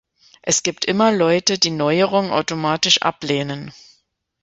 Es gibt immer Leute, die Neuerungen automatisch ablehnen.